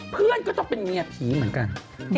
เพื่อนก็ต้องเป็นเมียผีเหมือนกัน